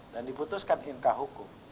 dan diputuskan inka hukum